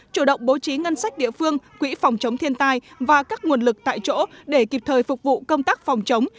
chủ động bố trí ngân sách địa phương quỹ phòng chống thiên tai và các nguồn lực tại chỗ để kịp thời phục vụ công tác phòng chống